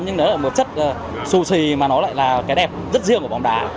nhưng đấy là một chất xù xì mà nó lại là cái đẹp rất riêng của bóng đá